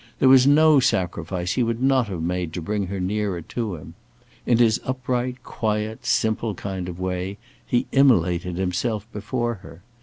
There was no sacrifice he would not have made to bring her nearer to him. In his upright, quiet, simple kind of way, he immolated himself before her.